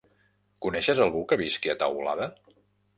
Coneixes algú que visqui a Teulada?